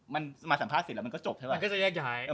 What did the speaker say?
มาสัมภาษณ์เสร็จแล้วมันก็จบใช่ไหม